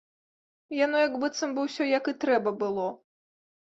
Яно як быццам бы ўсё, як і трэба, было.